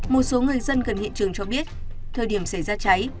một số người dân gần hiện trường cho biết thời điểm xảy ra cháy